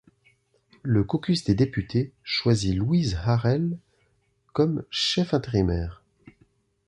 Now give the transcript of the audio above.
Le caucus des députés choisit Louise Harel comme chef intérimaire.